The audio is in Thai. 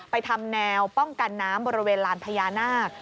ทำแนวป้องกันน้ำบริเวณลานพญานาค